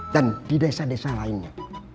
dan di desa desa lainnya